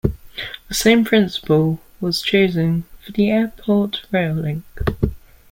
The same principle was chosen for the airport rail link.